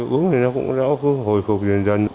uống thì nó cũng đã hồi phục dần dần